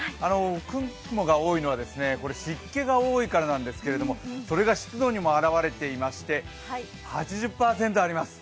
雲が多いのは、湿気が多いからなんですけれどもそれが湿度にも表れていまして８０％あります。